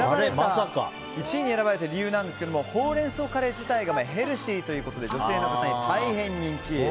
１位に選ばれた理由なんですがほうれん草カレー自体がヘルシーということで女性の方に大変人気。